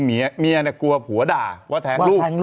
เมียกลัวผัวด่าว่าแทงลูก